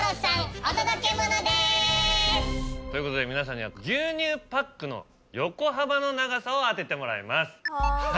お届けモノです！ということで皆さんには牛乳パックの横幅の長さを当ててもらいます。